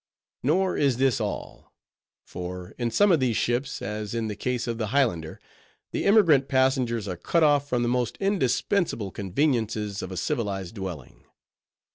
Nor is this all: for in some of these ships, as in the case of the Highlander, the emigrant passengers are cut off from the most indispensable conveniences of a civilized dwelling.